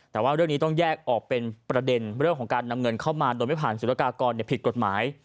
แต่ว่าเรื่องนี้ต้องแยกออกเป็นประเด็นเรื่องของการนำเงินเข้ามาโดยไม่ผ่านสุรกากรผิดกฎหมาย